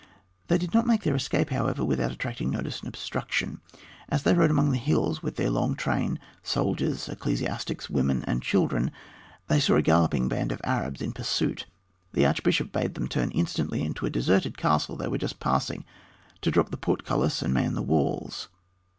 They did not make their escape, however, without attracting notice and obstruction. As they rode among the hills with their long train, soldiers, ecclesiastics, women, and children, they saw a galloping band of Arabs in pursuit. The archbishop bade them turn instantly into a deserted castle they were just passing, to drop the portcullis and man the walls.